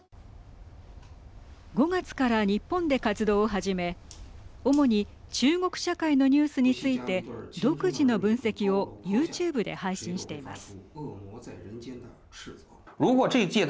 ５月から日本で活動を始め主に中国社会のニュースについて独自の分析をユーチューブで配信しています。